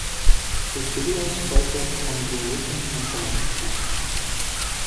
His videos focus on religion and philosophy.